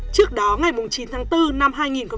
trước đó ngày chín tháng bốn năm hai nghìn một mươi bốn